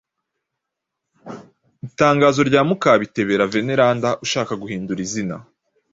Itangazo rya mukabitebera Veneranda ushaka guhindura izina